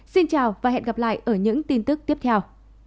xin chào và hẹn gặp lại ở những tin tức tiếp theo